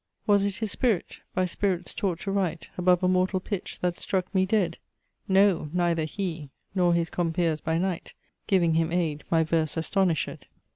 Was it his spirit, by spirits taught to write Above a mortal pitch that struck me dead? No, neither he, nor his compeers by night Giving him aid, my verse astonished.